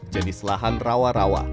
jenis lahan rawa rawa